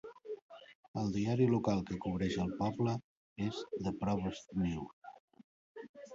El diari local que cobreix el poble és "The Provost News".